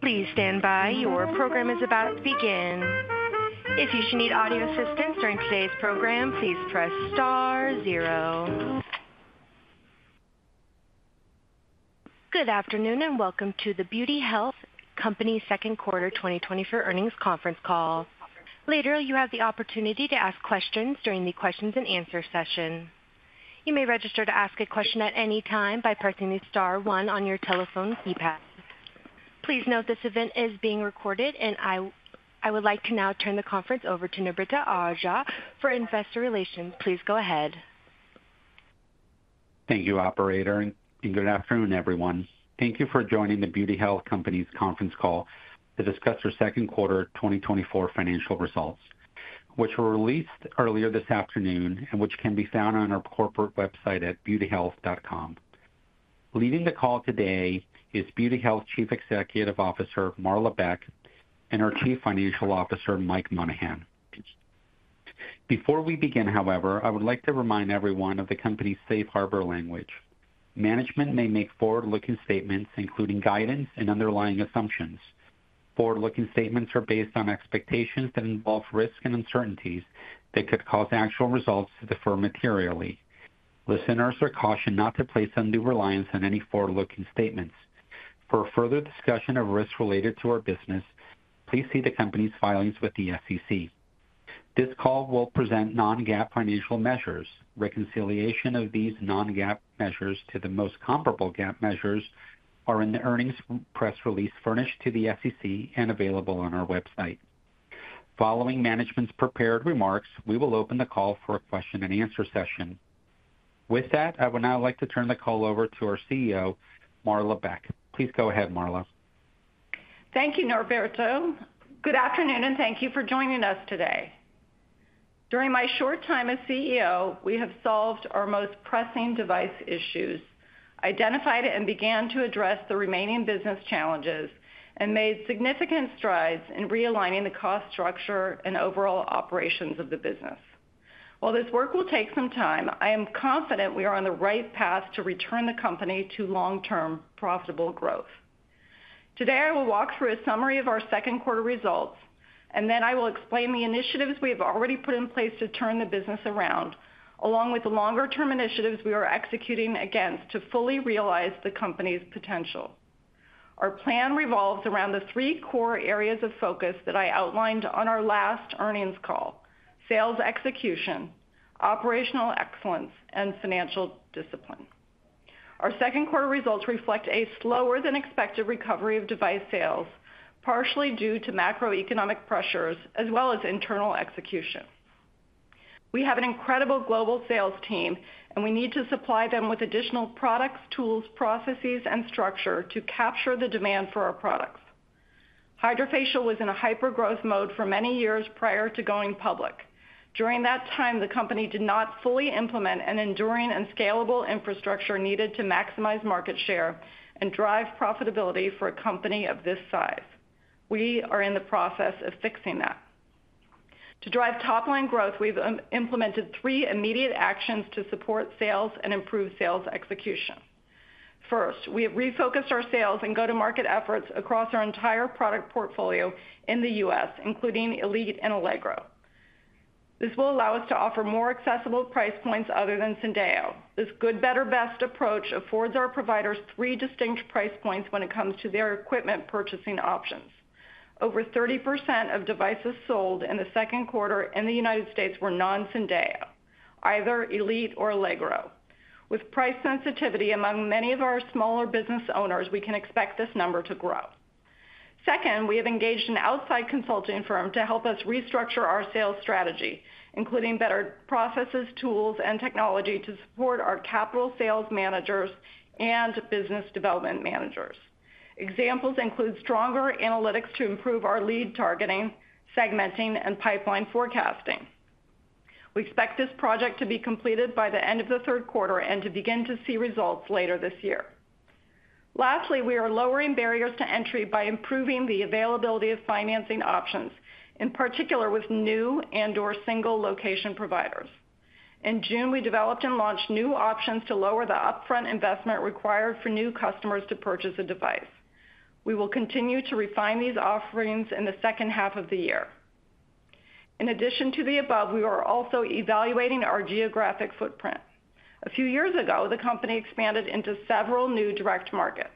Please stand by. Your program is about to begin. If you should need audio assistance during today's program, please press star zero. Good afternoon, and welcome to The Beauty Health Company Second Quarter 2024 earnings conference call. Later, you have the opportunity to ask questions during the question and answer session. You may register to ask a question at any time by pressing star one on your telephone keypad. Please note, this event is being recorded, and I would like to now turn the conference over to Norberto Aja for investor relations. Please go ahead. Thank you, operator, and good afternoon, everyone. Thank you for joining The Beauty Health Company's conference call to discuss our second quarter 2024 financial results, which were released earlier this afternoon and which can be found on our corporate website at beautyhealth.com. Leading the call today is Beauty Health Chief Executive Officer, Marla Beck, and our Chief Financial Officer, Mike Monahan. Before we begin, however, I would like to remind everyone of the company's safe harbor language. Management may make forward-looking statements, including guidance and underlying assumptions. Forward-looking statements are based on expectations that involve risks and uncertainties that could cause actual results to differ materially. Listeners are cautioned not to place undue reliance on any forward-looking statements. For a further discussion of risks related to our business, please see the company's filings with the SEC. This call will present non-GAAP financial measures. Reconciliation of these non-GAAP measures to the most comparable GAAP measures are in the earnings press release furnished to the SEC and available on our website. Following management's prepared remarks, we will open the call for a question and answer session. With that, I would now like to turn the call over to our CEO, Marla Beck. Please go ahead, Marla. Thank you, Norberto. Good afternoon, and thank you for joining us today. During my short time as CEO, we have solved our most pressing device issues, identified and began to address the remaining business challenges, and made significant strides in realigning the cost structure and overall operations of the business. While this work will take some time, I am confident we are on the right path to return the company to long-term profitable growth. Today, I will walk through a summary of our second quarter results, and then I will explain the initiatives we have already put in place to turn the business around, along with the longer-term initiatives we are executing against to fully realize the company's potential. Our plan revolves around the three core areas of focus that I outlined on our last earnings call: sales execution, operational excellence, and financial discipline. Our second quarter results reflect a slower than expected recovery of device sales, partially due to macroeconomic pressures as well as internal execution. We have an incredible global sales team, and we need to supply them with additional products, tools, processes, and structure to capture the demand for our products. Hydrafacial was in a hyper-growth mode for many years prior to going public. During that time, the company did not fully implement an enduring and scalable infrastructure needed to maximize market share and drive profitability for a company of this size. We are in the process of fixing that. To drive top-line growth, we've implemented three immediate actions to support sales and improve sales execution. First, we have refocused our sales and go-to-market efforts across our entire product portfolio in the U.S., including Elite and Allegro. This will allow us to offer more accessible price points other than Syndeo. This good, better, best approach affords our providers three distinct price points when it comes to their equipment purchasing options. Over 30% of devices sold in the second quarter in the United States were non-Syndeo, either Elite or Allegro. With price sensitivity among many of our smaller business owners, we can expect this number to grow. Second, we have engaged an outside consulting firm to help us restructure our sales strategy, including better processes, tools, and technology to support our capital sales managers and business development managers. Examples include stronger analytics to improve our lead targeting, segmenting, and pipeline forecasting. We expect this project to be completed by the end of the third quarter and to begin to see results later this year. Lastly, we are lowering barriers to entry by improving the availability of financing options, in particular with new and/or single location providers. In June, we developed and launched new options to lower the upfront investment required for new customers to purchase a device. We will continue to refine these offerings in the second half of the year. In addition to the above, we are also evaluating our geographic footprint. A few years ago, the company expanded into several new direct markets.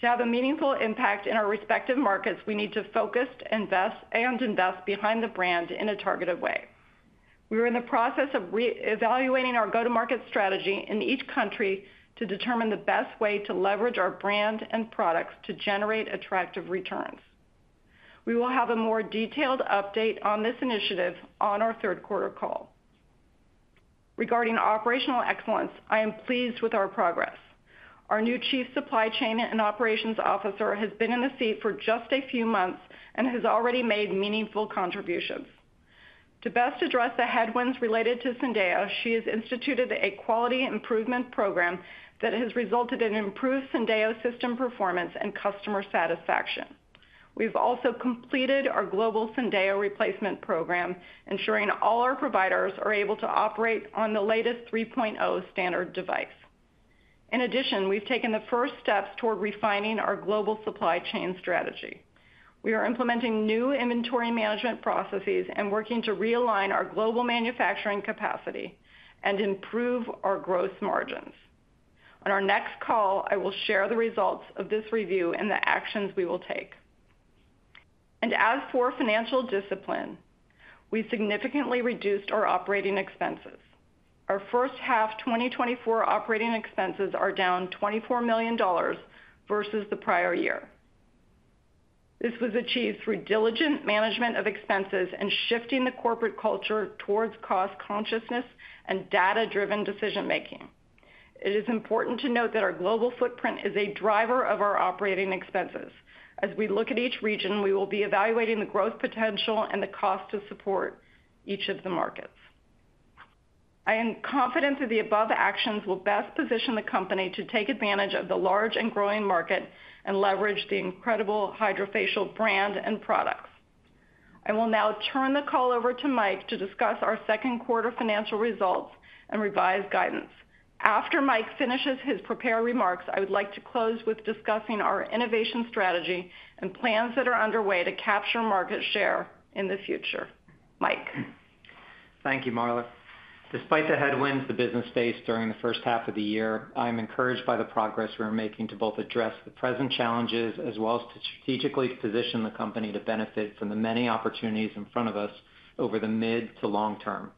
To have a meaningful impact in our respective markets, we need to focus, invest, and invest behind the brand in a targeted way. We are in the process of re-evaluating our go-to-market strategy in each country to determine the best way to leverage our brand and products to generate attractive returns. We will have a more detailed update on this initiative on our third quarter call. Regarding operational excellence, I am pleased with our progress. Our new Chief Supply Chain and Operations Officer has been in the seat for just a few months and has already made meaningful contributions. To best address the headwinds related to Syndeo, she has instituted a quality improvement program that has resulted in improved Syndeo system performance and customer satisfaction... We've also completed our global Syndeo replacement program, ensuring all our providers are able to operate on the latest 3.0 standard device. In addition, we've taken the first steps toward refining our global supply chain strategy. We are implementing new inventory management processes and working to realign our global manufacturing capacity and improve our gross margins. On our next call, I will share the results of this review and the actions we will take. As for financial discipline, we significantly reduced our operating expenses. Our first half 2024 operating expenses are down $24 million versus the prior year. This was achieved through diligent management of expenses and shifting the corporate culture towards cost consciousness and data-driven decision-making. It is important to note that our global footprint is a driver of our operating expenses. As we look at each region, we will be evaluating the growth potential and the cost to support each of the markets. I am confident that the above actions will best position the company to take advantage of the large and growing market and leverage the incredible Hydrafacial brand and products. I will now turn the call over to Mike to discuss our second quarter financial results and revised guidance. After Mike finishes his prepared remarks, I would like to close with discussing our innovation strategy and plans that are underway to capture market share in the future. Mike? Thank you, Marla. Despite the headwinds the business faced during the first half of the year, I am encouraged by the progress we are making to both address the present challenges, as well as to strategically position the company to benefit from the many opportunities in front of us over the mid to long term.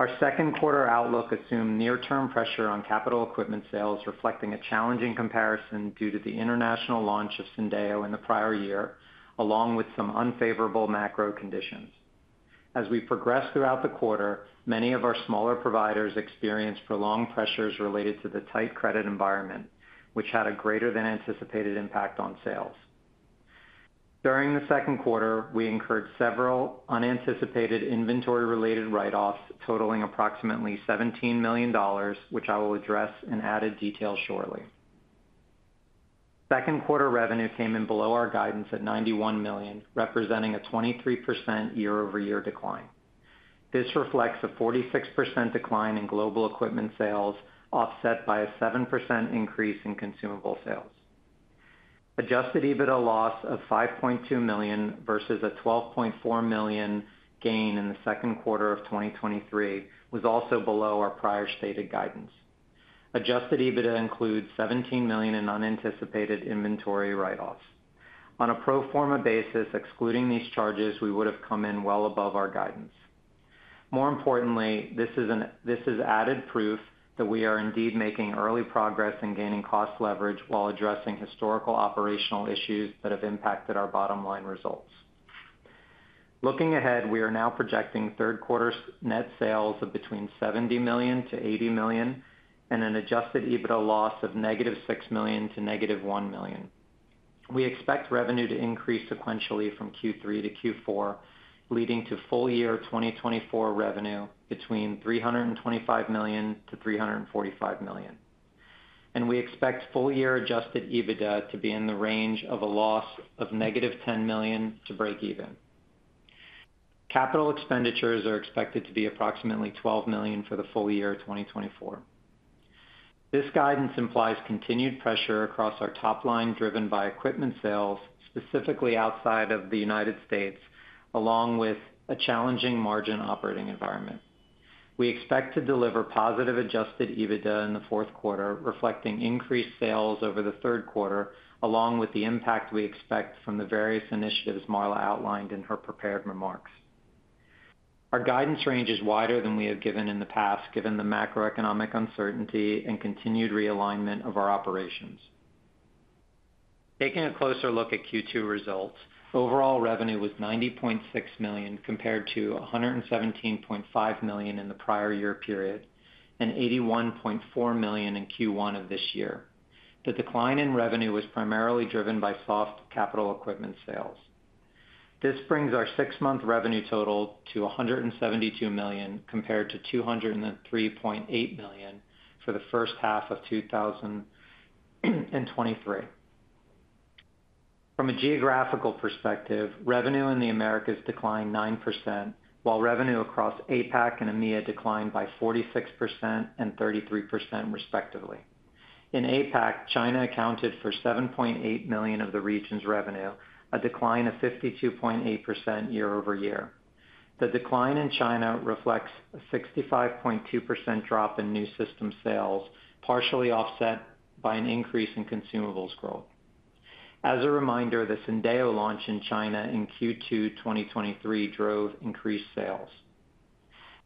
Our second quarter outlook assumed near-term pressure on capital equipment sales, reflecting a challenging comparison due to the international launch of Syndeo in the prior year, along with some unfavorable macro conditions. As we progressed throughout the quarter, many of our smaller providers experienced prolonged pressures related to the tight credit environment, which had a greater than anticipated impact on sales. During the second quarter, we incurred several unanticipated inventory-related write-offs, totaling approximately $17 million, which I will address in added detail shortly. Second quarter revenue came in below our guidance at $91 million, representing a 23% year-over-year decline. This reflects a 46% decline in global equipment sales, offset by a 7% increase in consumable sales. Adjusted EBITDA loss of $5.2 million versus a $12.4 million gain in the second quarter of 2023, was also below our prior stated guidance. Adjusted EBITDA includes $17 million in unanticipated inventory write-offs. On a pro forma basis, excluding these charges, we would have come in well above our guidance. More importantly, this is added proof that we are indeed making early progress in gaining cost leverage while addressing historical operational issues that have impacted our bottom-line results. Looking ahead, we are now projecting third quarter net sales of between $70 million-$80 million and an Adjusted EBITDA loss of -$6 million to -$1 million. We expect revenue to increase sequentially from Q3 to Q4, leading to full-year 2024 revenue between $325 million-$345 million. We expect full-year Adjusted EBITDA to be in the range of a loss of -$10 million to break even. Capital expenditures are expected to be approximately $12 million for the full-year of 2024. This guidance implies continued pressure across our top line, driven by equipment sales, specifically outside of the United States, along with a challenging margin operating environment. We expect to deliver positive Adjusted EBITDA in the fourth quarter, reflecting increased sales over the third quarter, along with the impact we expect from the various initiatives Marla outlined in her prepared remarks. Our guidance range is wider than we have given in the past, given the macroeconomic uncertainty and continued realignment of our operations. Taking a closer look at Q2 results, overall revenue was $90.6 million, compared to $117.5 million in the prior year period, and $81.4 million in Q1 of this year. The decline in revenue was primarily driven by soft capital equipment sales. This brings our six-month revenue total to $172 million, compared to $203.8 million for the first half of 2023. From a geographical perspective, revenue in the Americas declined 9%, while revenue across APAC and EMEA declined by 46% and 33%, respectively. In APAC, China accounted for $7.8 million of the region's revenue, a decline of 52.8% year-over-year. The decline in China reflects a 65.2% drop in new system sales, partially offset by an increase in consumables growth. As a reminder, the Syndeo launch in China in Q2 2023 drove increased sales.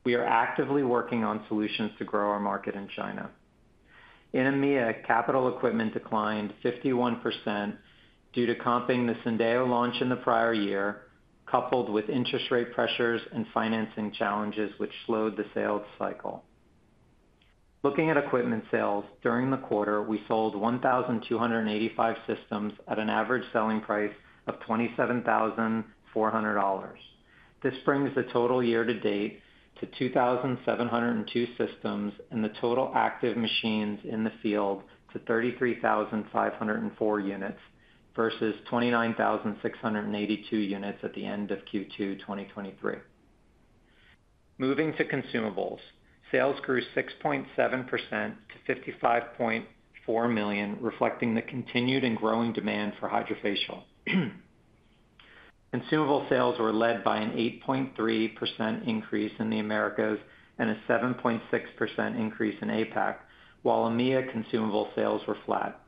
We are actively working on solutions to grow our market in China. In EMEA, capital equipment declined 51% due to comping the Syndeo launch in the prior year, coupled with interest rate pressures and financing challenges, which slowed the sales cycle. Looking at equipment sales, during the quarter, we sold 1,285 systems at an average selling price of $27,400. This brings the total year to date to 2,702 systems, and the total active machines in the field to 33,504 units, versus 29,682 units at the end of Q2 2023. Moving to consumables, sales grew 6.7% to $55.4 million, reflecting the continued and growing demand for Hydrafacial. Consumable sales were led by an 8.3% increase in the Americas and a 7.6% increase in APAC, while EMEA consumable sales were flat.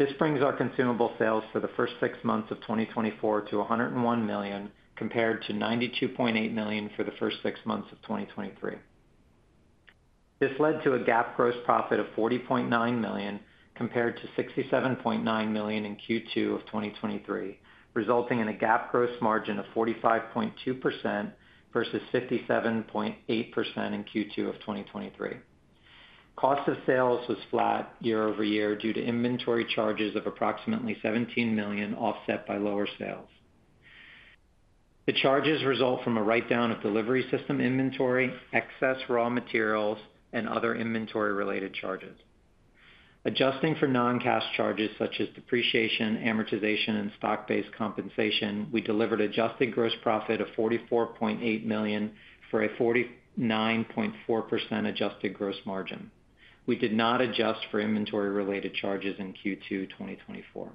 This brings our consumable sales for the first six months of 2024 to $101 million, compared to $92.8 million for the first six months of 2023. This led to a GAAP gross profit of $40.9 million, compared to $67.9 million in Q2 of 2023, resulting in a GAAP gross margin of 45.2% versus 57.8% in Q2 of 2023. Cost of sales was flat year-over-year due to inventory charges of approximately $17 million, offset by lower sales. The charges result from a write-down of delivery system inventory, excess raw materials, and other inventory-related charges. Adjusting for non-cash charges such as depreciation, amortization, and stock-based compensation, we delivered adjusted gross profit of $44.8 million, for a 49.4% adjusted gross margin. We did not adjust for inventory-related charges in Q2 2024.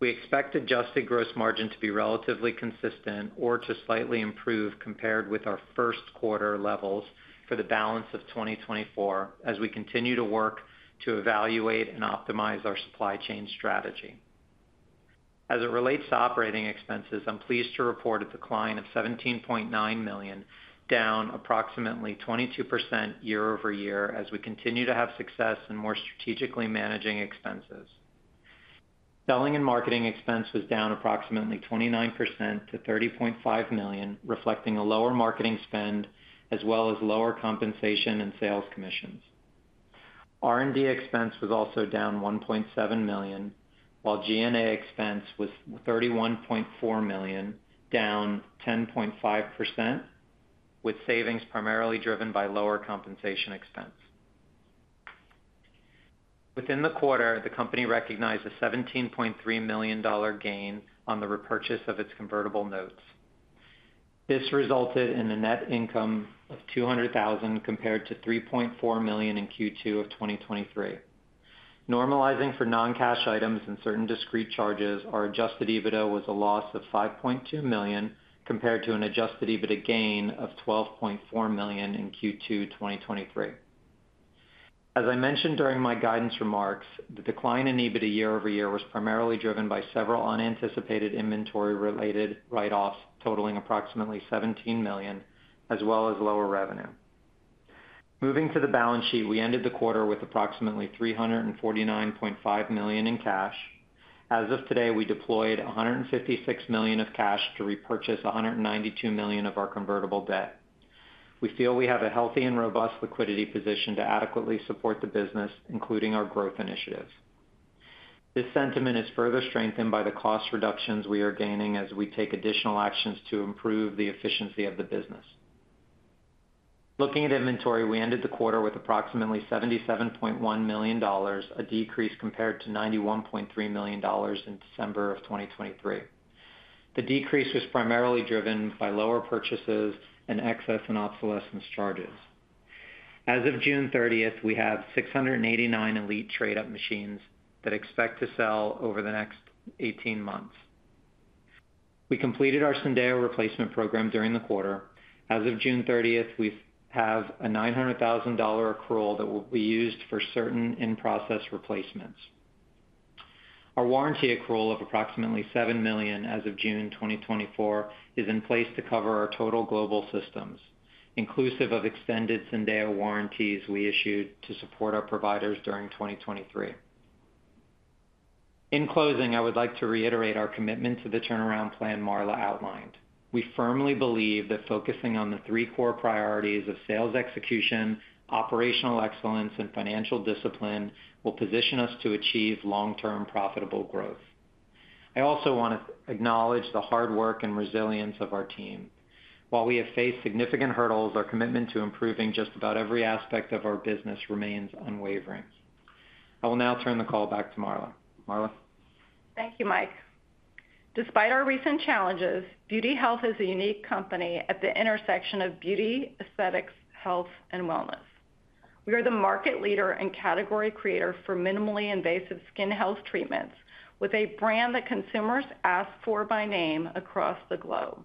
We expect adjusted gross margin to be relatively consistent or to slightly improve compared with our first quarter levels for the balance of 2024, as we continue to work to evaluate and optimize our supply chain strategy. As it relates to operating expenses, I'm pleased to report a decline of $17.9 million, down approximately 22% year-over-year, as we continue to have success in more strategically managing expenses. Selling and marketing expense was down approximately 29% to $30.5 million, reflecting a lower marketing spend as well as lower compensation and sales commissions. R&D expense was also down $1.7 million, while G&A expense was $31.4 million, down 10.5%, with savings primarily driven by lower compensation expense. Within the quarter, the company recognized a $17.3 million gain on the repurchase of its convertible notes. This resulted in a net income of $200,000, compared to $3.4 million in Q2 of 2023. Normalizing for non-cash items and certain discrete charges, our Adjusted EBITDA was a loss of $5.2 million, compared to an Adjusted EBITDA gain of $12.4 million in Q2 2023. As I mentioned during my guidance remarks, the decline in EBITDA year-over-year was primarily driven by several unanticipated inventory-related write-offs, totaling approximately $17 million, as well as lower revenue. Moving to the balance sheet, we ended the quarter with approximately $349.5 million in cash. As of today, we deployed $156 million of cash to repurchase $192 million of our convertible debt. We feel we have a healthy and robust liquidity position to adequately support the business, including our growth initiatives. This sentiment is further strengthened by the cost reductions we are gaining as we take additional actions to improve the efficiency of the business. Looking at inventory, we ended the quarter with approximately $77.1 million, a decrease compared to $91.3 million in December of 2023. The decrease was primarily driven by lower purchases and excess and obsolescence charges. As of June 30th, we have 689 Elite trade-up machines that expect to sell over the next 18 months. We completed our Syndeo replacement program during the quarter. As of June 30th, we have a $900,000 accrual that will be used for certain in-process replacements. Our warranty accrual of approximately $7 million as of June 2024 is in place to cover our total global systems, inclusive of extended Syndeo warranties we issued to support our providers during 2023. In closing, I would like to reiterate our commitment to the turnaround plan Marla outlined. We firmly believe that focusing on the three core priorities of sales execution, operational excellence, and financial discipline will position us to achieve long-term profitable growth. I also want to acknowledge the hard work and resilience of our team. While we have faced significant hurdles, our commitment to improving just about every aspect of our business remains unwavering. I will now turn the call back to Marla. Marla? Thank you, Mike. Despite our recent challenges, Beauty Health is a unique company at the intersection of beauty, aesthetics, health, and wellness. We are the market leader and category creator for minimally invasive skin health treatments, with a brand that consumers ask for by name across the globe.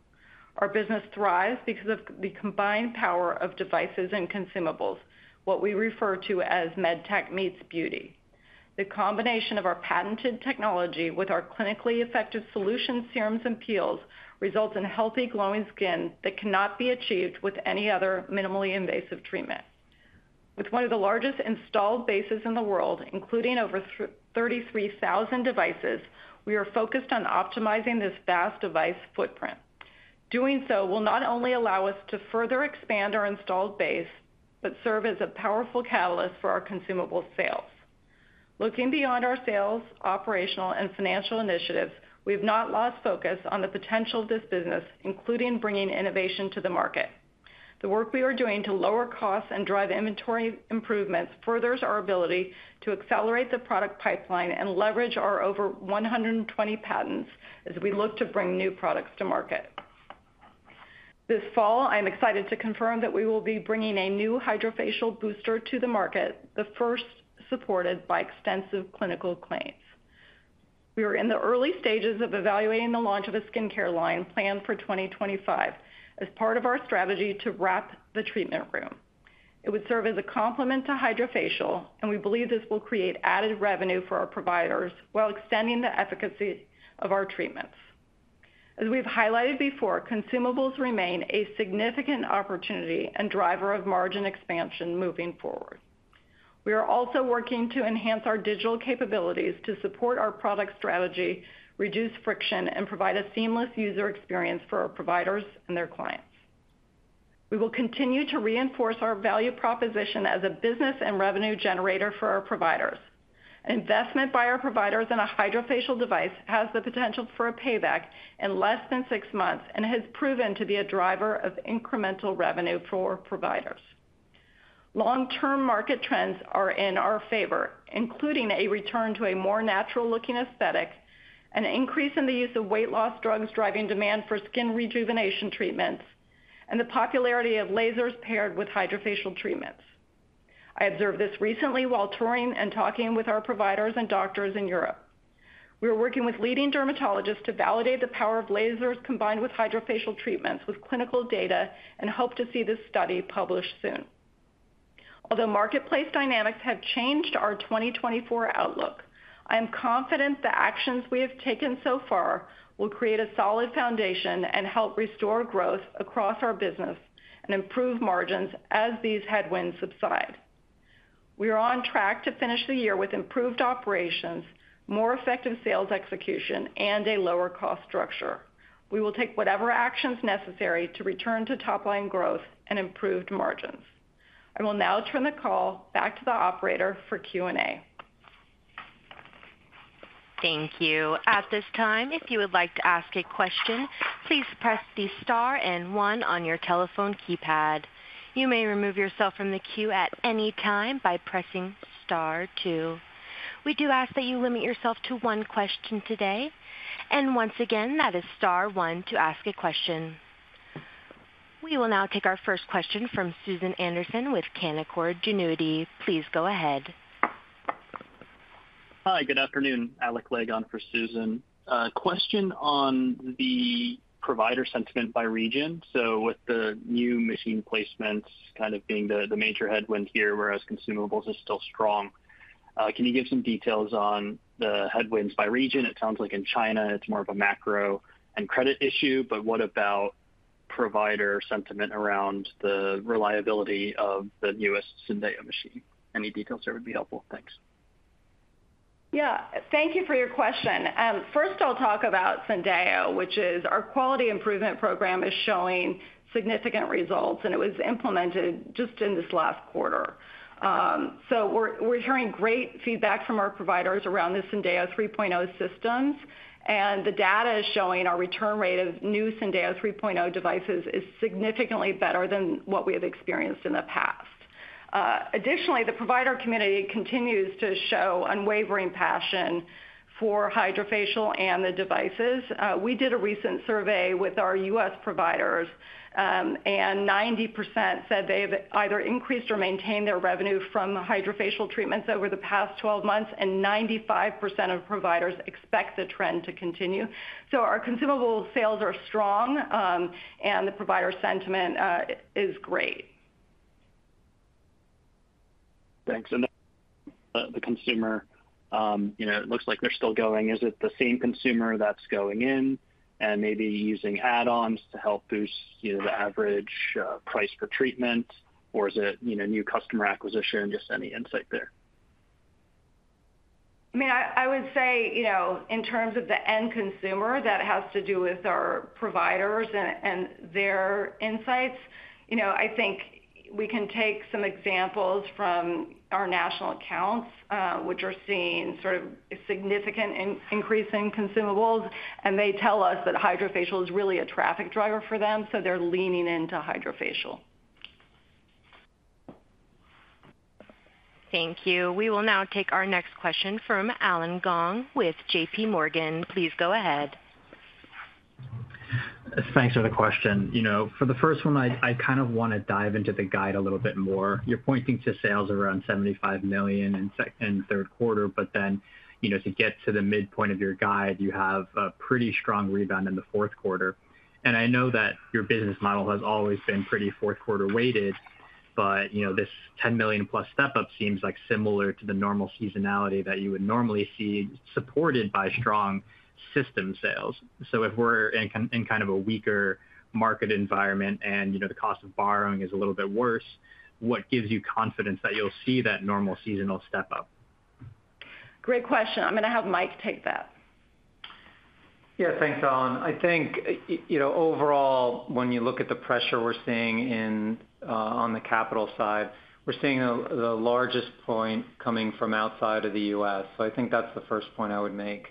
Our business thrives because of the combined power of devices and consumables, what we refer to as medtech meets beauty. The combination of our patented technology with our clinically effective solutions, serums, and peels, results in healthy, glowing skin that cannot be achieved with any other minimally invasive treatment. With one of the largest installed bases in the world, including over 33,000 devices, we are focused on optimizing this vast device footprint. Doing so will not only allow us to further expand our installed base, but serve as a powerful catalyst for our consumable sales. Looking beyond our sales, operational, and financial initiatives, we've not lost focus on the potential of this business, including bringing innovation to the market. The work we are doing to lower costs and drive inventory improvements furthers our ability to accelerate the product pipeline and leverage our over 120 patents as we look to bring new products to market. This fall, I'm excited to confirm that we will be bringing a new Hydrafacial booster to the market, the first supported by extensive clinical claims. We are in the early stages of evaluating the launch of a skincare line planned for 2025 as part of our strategy to wrap the treatment room. It would serve as a complement to Hydrafacial, and we believe this will create added revenue for our providers while extending the efficacy of our treatments. As we've highlighted before, consumables remain a significant opportunity and driver of margin expansion moving forward. We are also working to enhance our digital capabilities to support our product strategy, reduce friction, and provide a seamless user experience for our providers and their clients. We will continue to reinforce our value proposition as a business and revenue generator for our providers. Investment by our providers in a Hydrafacial device has the potential for a payback in less than six months, and it has proven to be a driver of incremental revenue for providers. Long-term market trends are in our favor, including a return to a more natural-looking aesthetic, an increase in the use of weight loss drugs driving demand for skin rejuvenation treatments, and the popularity of lasers paired with Hydrafacial treatments. I observed this recently while touring and talking with our providers and doctors in Europe. We are working with leading dermatologists to validate the power of lasers combined with Hydrafacial treatments, with clinical data, and hope to see this study published soon. Although marketplace dynamics have changed our 2024 outlook, I am confident the actions we have taken so far will create a solid foundation and help restore growth across our business and improve margins as these headwinds subside. We are on track to finish the year with improved operations, more effective sales execution, and a lower cost structure. We will take whatever actions necessary to return to top line growth and improved margins. I will now turn the call back to the operator for Q&A. Thank you. At this time, if you would like to ask a question, please press the star and one on your telephone keypad. You may remove yourself from the queue at any time by pressing star two. We do ask that you limit yourself to one question today, and once again, that is star one to ask a question. We will now take our first question from Susan Anderson with Canaccord Genuity. Please go ahead. Hi, good afternoon. Alec Legg for Susan. Question on the provider sentiment by region. So with the new machine placements kind of being the major headwind here, whereas consumables are still strong, can you give some details on the headwinds by region? It sounds like in China it's more of a macro and credit issue, but what about provider sentiment around the reliability of the newest Syndeo machine? Any details there would be helpful. Thanks. Yeah, thank you for your question. First, I'll talk about Syndeo, which is our quality improvement program, is showing significant results, and it was implemented just in this last quarter. So we're hearing great feedback from our providers around the Syndeo 3.0 systems, and the data is showing our return rate of new Syndeo 3.0 devices is significantly better than what we have experienced in the past. Additionally, the provider community continues to show unwavering passion for Hydrafacial and the devices. We did a recent survey with our U.S. providers, and 90% said they have either increased or maintained their revenue from the Hydrafacial treatments over the past 12 months, and 95% of providers expect the trend to continue. So our consumable sales are strong, and the provider sentiment is great. Thanks. The consumer, you know, it looks like they're still going. Is it the same consumer that's going in and maybe using add-ons to help boost, you know, the average price per treatment? Or is it, you know, new customer acquisition? Just any insight there. I mean, I would say, you know, in terms of the end consumer, that has to do with our providers and their insights. You know, I think we can take some examples from our national accounts, which are seeing sort of significant increase in consumables, and they tell us that Hydrafacial is really a traffic driver for them, so they're leaning into Hydrafacial. Thank you. We will now take our next question from Allen Gong with JPMorgan. Please go ahead. Thanks for the question. You know, for the first one, I kind of wanna dive into the guide a little bit more. You're pointing to sales around $75 million in second and third quarter, but then, you know, to get to the midpoint of your guide, you have a pretty strong rebound in the fourth quarter. And I know that your business model has always been pretty fourth quarter weighted, but, you know, this $10 million-plus step up seems like similar to the normal seasonality that you would normally see supported by strong system sales. So if we're in kind of a weaker market environment and, you know, the cost of borrowing is a little bit worse, what gives you confidence that you'll see that normal seasonal step up? Great question. I'm gonna have Mike take that.... Yeah, thanks, Allen. I think, you know, overall, when you look at the pressure we're seeing in, on the capital side, we're seeing the largest point coming from outside of the U.S. So I think that's the first point I would make.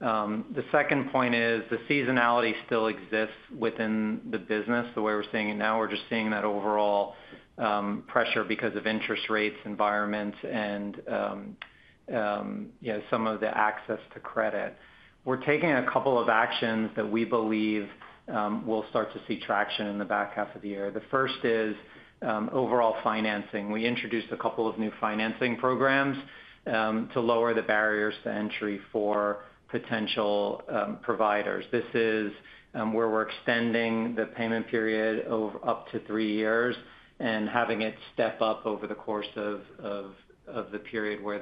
The second point is, the seasonality still exists within the business. The way we're seeing it now, we're just seeing that overall, pressure because of interest rates, environments, and, you know, some of the access to credit. We're taking a couple of actions that we believe, will start to see traction in the back half of the year. The first is, overall financing. We introduced a couple of new financing programs, to lower the barriers to entry for potential, providers. This is where we're extending the payment period of up to three years and having it step up over the course of the period where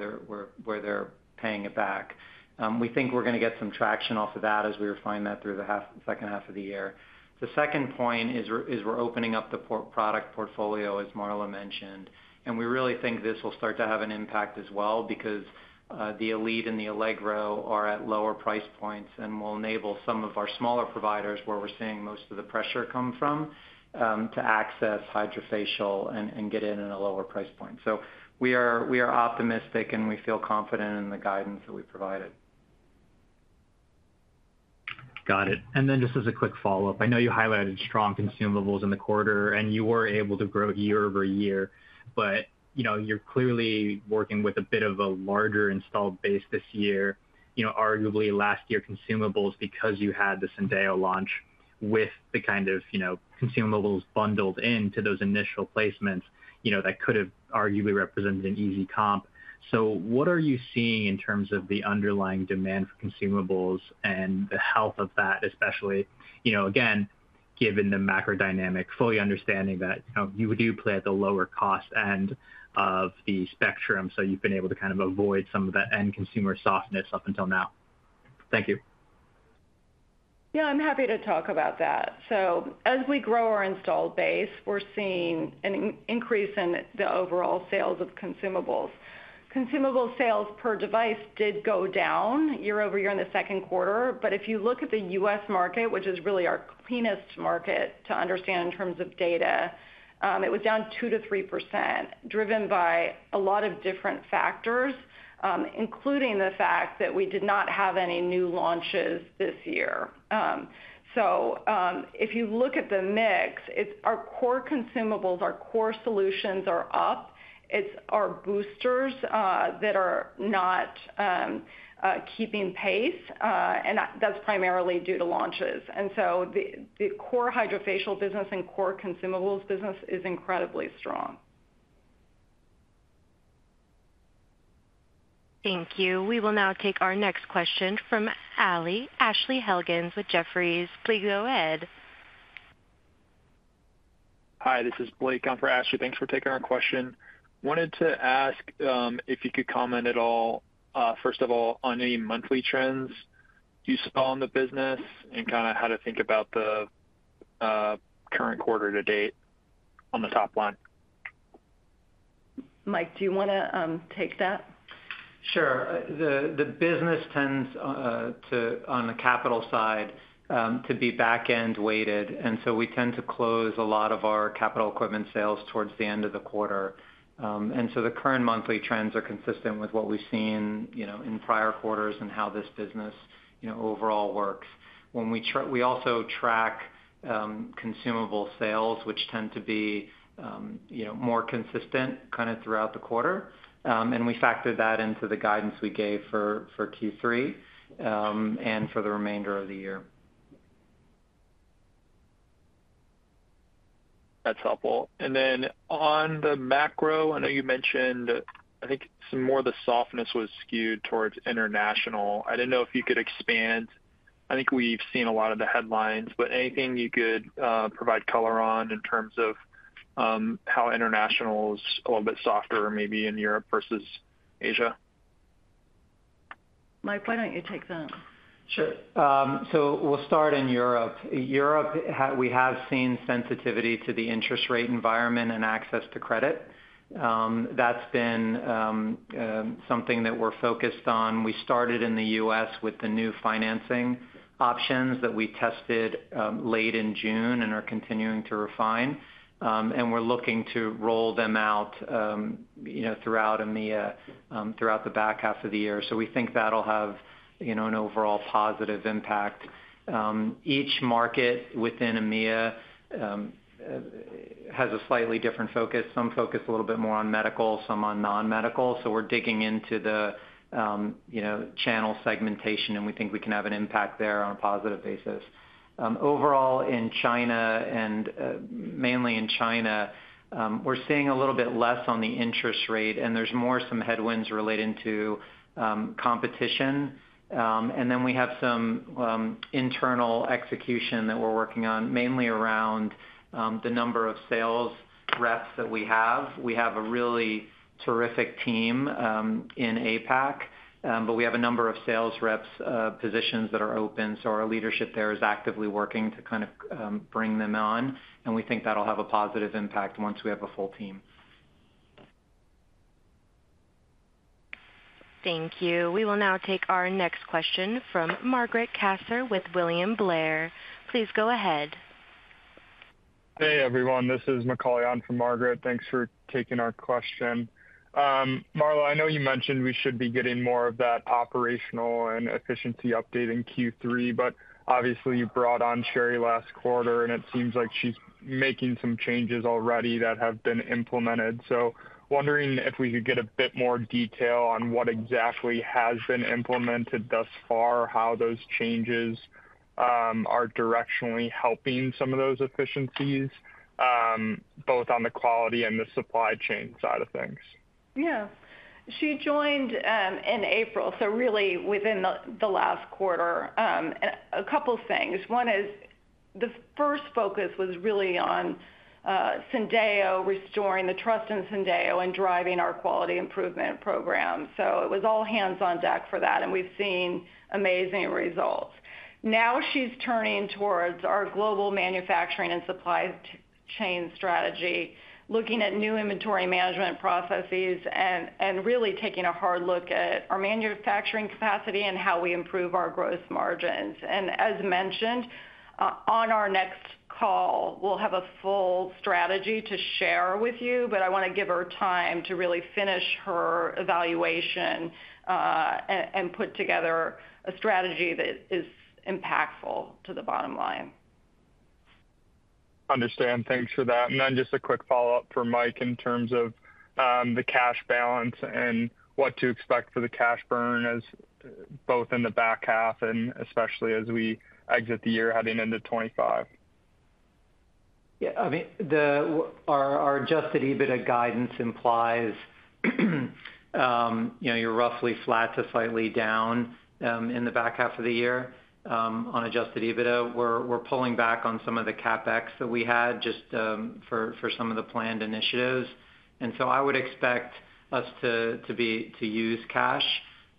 they're paying it back. We think we're gonna get some traction off of that as we refine that through the second half of the year. The second point is we're opening up the full product portfolio, as Marla mentioned, and we really think this will start to have an impact as well, because the Elite and the Allegro are at lower price points and will enable some of our smaller providers, where we're seeing most of the pressure come from, to access Hydrafacial and get in at a lower price point. So we are optimistic, and we feel confident in the guidance that we provided. Got it. And then just as a quick follow-up, I know you highlighted strong consumables in the quarter, and you were able to grow year-over-year, but, you know, you're clearly working with a bit of a larger installed base this year, you know, arguably last year, consumables, because you had the Syndeo launch with the kind of, you know, consumables bundled into those initial placements, you know, that could have arguably represented an easy comp. So what are you seeing in terms of the underlying demand for consumables and the health of that, especially, you know, again, given the macro dynamic, fully understanding that, you know, you do play at the lower cost end of the spectrum, so you've been able to kind of avoid some of the end consumer softness up until now? Thank you. Yeah, I'm happy to talk about that. So as we grow our installed base, we're seeing an increase in the overall sales of consumables. Consumables sales per device did go down year-over-year in the second quarter, but if you look at the U.S. market, which is really our cleanest market to understand in terms of data, it was down 2%-3%, driven by a lot of different factors, including the fact that we did not have any new launches this year. So if you look at the mix, it's our core consumables, our core solutions are up. It's our boosters that are not keeping pace, and that's primarily due to launches. And so the core Hydrafacial business and core consumables business is incredibly strong. Thank you. We will now take our next question from Ashley Helgans with Jefferies. Please go ahead. Hi, this is Blake. I'm for Ashley. Thanks for taking our question. Wanted to ask if you could comment at all first of all on any monthly trends you saw in the business and kinda how to think about the current quarter to date on the top line. Mike, do you wanna take that? Sure. The business tends to be back-end weighted on the capital side, and so we tend to close a lot of our capital equipment sales towards the end of the quarter. And so the current monthly trends are consistent with what we've seen, you know, in prior quarters and how this business, you know, overall works. We also track consumable sales, which tend to be, you know, more consistent kinda throughout the quarter. And we factored that into the guidance we gave for Q3 and for the remainder of the year. That's helpful. And then on the macro, I know you mentioned, I think some more of the softness was skewed towards international. I didn't know if you could expand. I think we've seen a lot of the headlines, but anything you could provide color on in terms of how international is a little bit softer, maybe in Europe versus Asia? Mike, why don't you take that? Sure. So we'll start in Europe. Europe, we have seen sensitivity to the interest rate environment and access to credit. That's been something that we're focused on. We started in the U.S. with the new financing options that we tested late in June and are continuing to refine. And we're looking to roll them out, you know, throughout EMEA, throughout the back half of the year. So we think that'll have, you know, an overall positive impact. Each market within EMEA has a slightly different focus. Some focus a little bit more on medical, some on non-medical, so we're digging into the, you know, channel segmentation, and we think we can have an impact there on a positive basis. Overall, in China and mainly in China, we're seeing a little bit less on the interest rate, and there's more some headwinds relating to competition. And then we have some internal execution that we're working on, mainly around the number of sales reps that we have. We have a really terrific team in APAC, but we have a number of sales reps positions that are open, so our leadership there is actively working to kind of bring them on, and we think that'll have a positive impact once we have a full team. Thank you. We will now take our next question from Margaret Kaczor with William Blair. Please go ahead. Hey, everyone, this is Macauley on for Margaret. Thanks for taking our question. Marla, I know you mentioned we should be getting more of that operational and efficiency update in Q3, but obviously, you brought on Sheri last quarter, and it seems like she's making some changes already that have been implemented. So wondering if we could get a bit more detail on what exactly has been implemented thus far, how those changes are directionally helping some of those efficiencies, both on the quality and the supply chain side of things? Yeah. She joined in April, so really within the last quarter. And a couple things. One is, the first focus was really on Syndeo, restoring the trust in Syndeo and driving our quality improvement program. So it was all hands on deck for that, and we've seen amazing results. Now she's turning towards our global manufacturing and supply chain strategy, looking at new inventory management processes and really taking a hard look at our manufacturing capacity and how we improve our gross margins. And as mentioned on our next call, we'll have a full strategy to share with you, but I wanna give her time to really finish her evaluation and put together a strategy that is impactful to the bottom line. Understand. Thanks for that. And then just a quick follow-up for Mike in terms of the cash balance and what to expect for the cash burn as both in the back half and especially as we exit the year heading into 2025. Yeah, I mean, our Adjusted EBITDA guidance implies, you know, you're roughly flat to slightly down in the back half of the year on Adjusted EBITDA. We're pulling back on some of the CapEx that we had just for some of the planned initiatives. And so I would expect us to use cash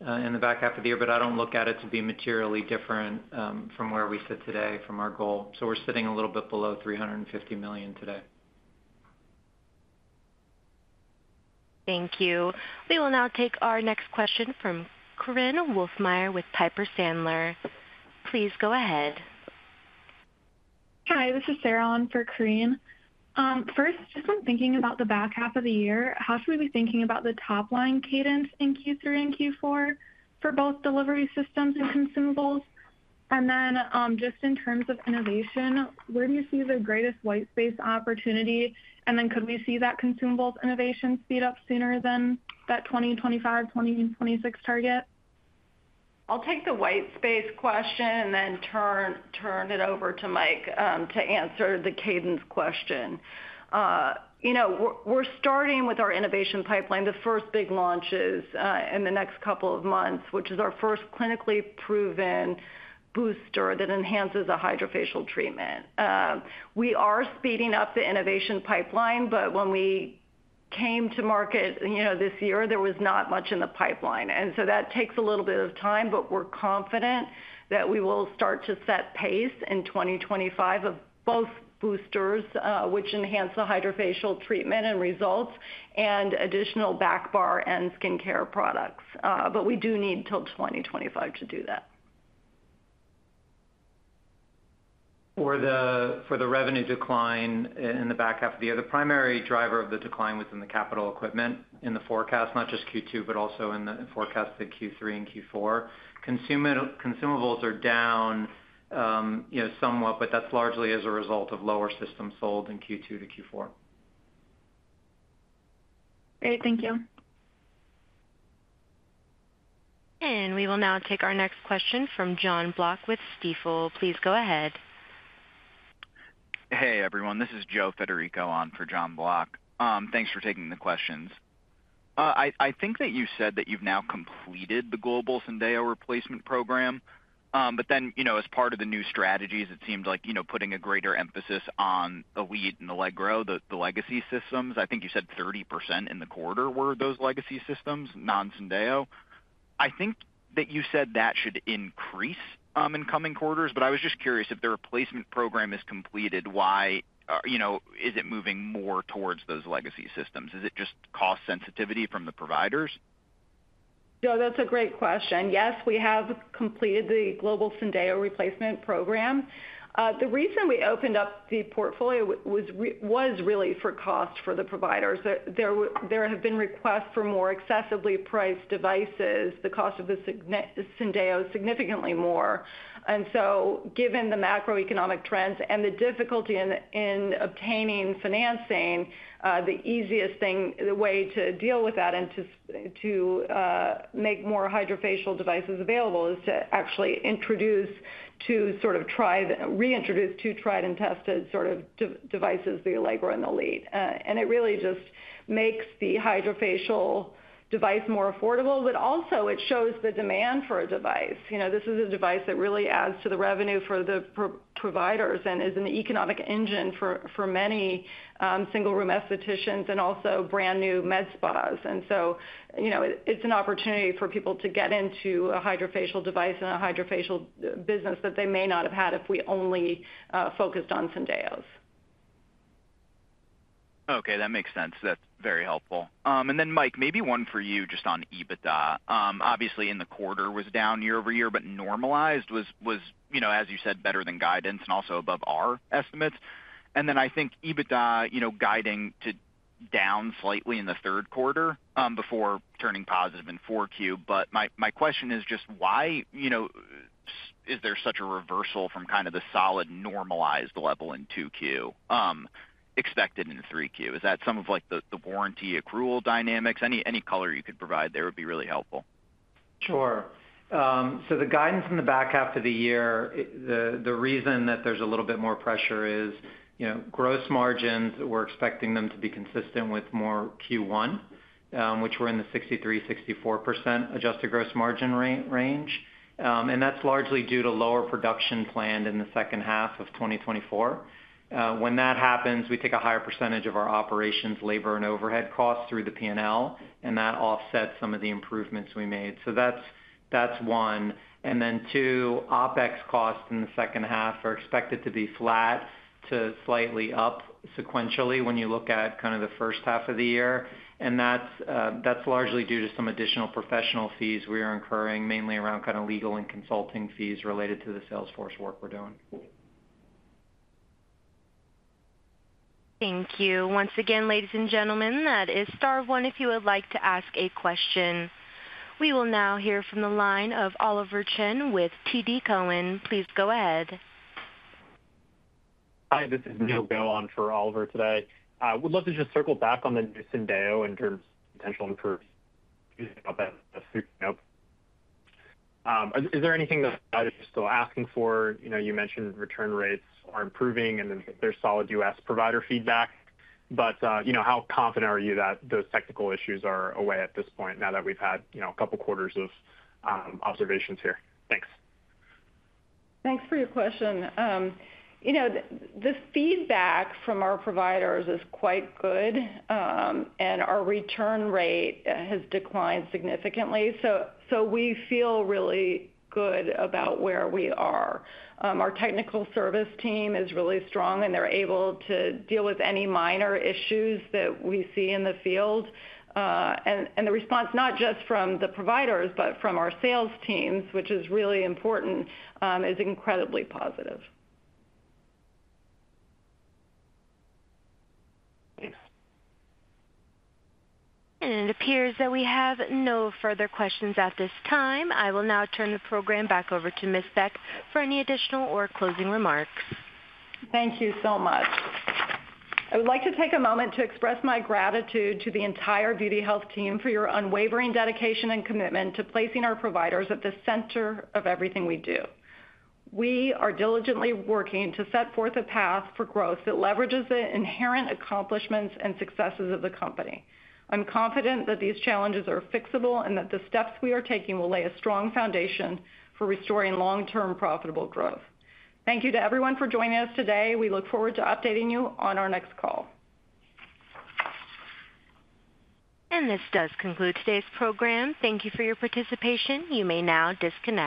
in the back half of the year, but I don't look at it to be materially different from where we sit today from our goal. So we're sitting a little bit below $350 million today. Thank you. We will now take our next question from Corinne Wolfmeyer with Piper Sandler. Please go ahead. Hi, this is Sarah on for Corinne. First, just on thinking about the back half of the year, how should we be thinking about the top line cadence in Q3 and Q4 for both delivery systems and consumables? And then, just in terms of innovation, where do you see the greatest white space opportunity? And then could we see that consumables innovation speed up sooner than that 2025, 2026 target? I'll take the white space question and then turn it over to Mike to answer the cadence question. You know, we're starting with our innovation pipeline, the first big launches in the next couple of months, which is our first clinically proven booster that enhances a Hydrafacial treatment. We are speeding up the innovation pipeline, but when we came to market, you know, this year, there was not much in the pipeline, and so that takes a little bit of time, but we're confident that we will start to set pace in 2025 of both boosters, which enhance the Hydrafacial treatment and results, and additional back bar and skincare products. But we do need till 2025 to do that. For the revenue decline in the back half of the year, the primary driver of the decline was in the capital equipment in the forecast, not just Q2, but also in the forecasted Q3 and Q4. Consumables are down, you know, somewhat, but that's largely as a result of lower systems sold in Q2 to Q4. Great. Thank you. We will now take our next question from Jon Block with Stifel. Please go ahead. Hey, everyone, this is Joe Federico on for Jon Block. Thanks for taking the questions. I think that you said that you've now completed the global Syndeo replacement program, but then, you know, as part of the new strategies, it seemed like, you know, putting a greater emphasis on the Elite and Allegro, the legacy systems. I think you said 30% in the quarter were those legacy systems, non-Syndeo. I think that you said that should increase in coming quarters, but I was just curious, if the replacement program is completed, why, you know, is it moving more towards those legacy systems? Is it just cost sensitivity from the providers? Joe, that's a great question. Yes, we have completed the global Syndeo replacement program. The reason we opened up the portfolio was really for cost for the providers. There have been requests for more excessively priced devices. The cost of the Syndeo is significantly more. And so given the macroeconomic trends and the difficulty in obtaining financing, the easiest thing, the way to deal with that and to make more Hydrafacial devices available is to actually introduce, to sort of reintroduce two tried and tested devices, the Allegro and Elite. And it really just makes the Hydrafacial device more affordable, but also it shows the demand for a device. You know, this is a device that really adds to the revenue for the providers and is an economic engine for many single-room aestheticians and also brand new med spas. So, you know, it's an opportunity for people to get into a Hydrafacial device and a Hydrafacial business that they may not have had if we only focused on Syndeos.... Okay, that makes sense. That's very helpful. And then, Mike, maybe one for you just on EBITDA. Obviously, in the quarter was down year-over-year, but normalized was, you know, as you said, better than guidance and also above our estimates. And then I think EBITDA, you know, guiding to down slightly in the third quarter, before turning positive in 4Q. But my question is just why, you know, is there such a reversal from kind of the solid normalized level in 2Q, expected in 3Q? Is that some of, like, the warranty accrual dynamics? Any color you could provide there would be really helpful. Sure. So the guidance in the back half of the year, the reason that there's a little bit more pressure is, you know, gross margins, we're expecting them to be consistent with Q1, which were in the 63%-64% adjusted gross margin range. And that's largely due to lower production planned in the second half of 2024. When that happens, we take a higher percentage of our operations, labor, and overhead costs through the P&L, and that offsets some of the improvements we made. So that's, that's one. And then two, OpEx costs in the second half are expected to be flat to slightly up sequentially when you look at kind of the first half of the year, and that's largely due to some additional professional fees we are incurring, mainly around kind of legal and consulting fees related to the sales force work we're doing. Thank you. Once again, ladies and gentlemen, that is star one, if you would like to ask a question. We will now hear from the line of Oliver Chen with TD Cowen. Please go ahead. Hi, this is Neil Goh on for Oliver today. I would love to just circle back on the new Syndeo in terms of potential improvements. Is there anything that you're still asking for? You know, you mentioned return rates are improving, and then there's solid U.S. provider feedback. But, you know, how confident are you that those technical issues are away at this point now that we've had, you know, a couple of quarters of observations here? Thanks. Thanks for your question. You know, the feedback from our providers is quite good, and our return rate has declined significantly. So we feel really good about where we are. Our technical service team is really strong, and they're able to deal with any minor issues that we see in the field. And the response, not just from the providers, but from our sales teams, which is really important, is incredibly positive. Thanks. It appears that we have no further questions at this time. I will now turn the program back over to Ms. Beck for any additional or closing remarks. Thank you so much. I would like to take a moment to express my gratitude to the entire Beauty Health team for your unwavering dedication and commitment to placing our providers at the center of everything we do. We are diligently working to set forth a path for growth that leverages the inherent accomplishments and successes of the company. I'm confident that these challenges are fixable and that the steps we are taking will lay a strong foundation for restoring long-term profitable growth. Thank you to everyone for joining us today. We look forward to updating you on our next call. This does conclude today's program. Thank you for your participation. You may now disconnect.